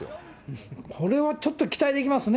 これはちょっと期待できますね。